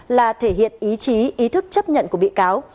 là thể hiện ý chí ý thức chấp nhận của bị cáo